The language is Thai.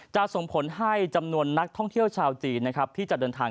ส่งผลให้จำนวนนักท่องเที่ยวชาวจีนนะครับที่จะเดินทาง